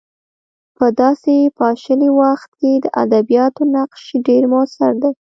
په داسې پاشلي وخت کې د ادبیاتو نقش ډېر موثر دی.